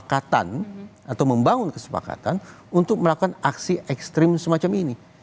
bahkan bisa menyampaikan kesepakatan atau membangun kesepakatan untuk melakukan aksi ekstrim semacam ini